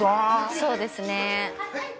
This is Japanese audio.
そうですね。